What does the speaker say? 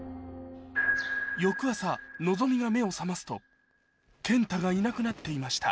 希が目を覚ますと健太がいなくなっていました